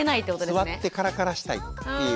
座ってカラカラしたいっていう。